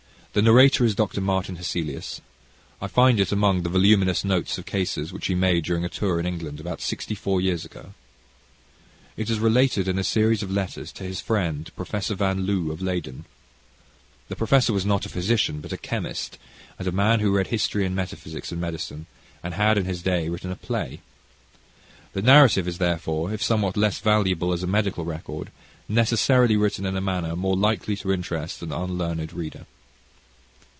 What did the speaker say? The narrator is Dr. Martin Hesselius. I find it among the voluminous notes of cases which he made during a tour in England about sixty four years ago. It is related in series of letters to his friend Professor Van Loo of Leyden. The professor was not a physician, but a chemist, and a man who read history and metaphysics and medicine, and had, in his day, written a play. The narrative is therefore, if somewhat less valuable as a medical record, necessarily written in a manner more likely to interest an unlearned reader.